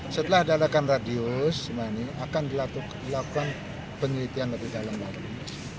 setelah ada radius akan dilakukan penelitian lebih dalam